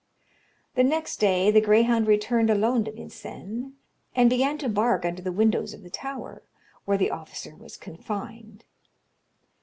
The next day the greyhound returned alone to Vincennes, and began to bark under the windows of the tower, where the officer was confined.